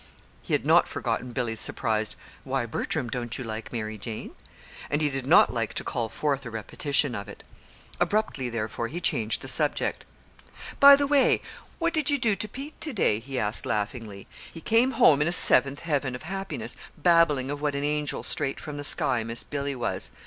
He had not forgotten Billy's surprised: "Why, Bertram, don't you like Mary Jane?" and he did not like to call forth a repetition of it. Abruptly, therefore, he changed the subject. "By the way, what did you do to Pete to day?" he asked laughingly. "He came home in a seventh heaven of happiness babbling of what an angel straight from the sky Miss Billy was.